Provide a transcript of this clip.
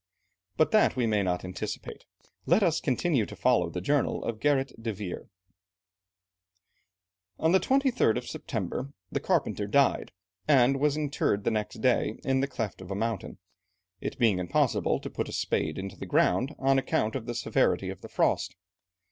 But that we may not anticipate, let us continue to follow the journal of Gerrit de Veer. On the 23rd September, the carpenter died, and was interred the next day in the cleft of a mountain, it being impossible to put a spade into the ground, on account of the severity of the frost.